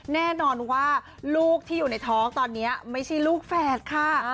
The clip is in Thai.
แน่นอนว่าลูกที่อยู่ในท้องตอนนี้ไม่ใช่ลูกแฝดค่ะ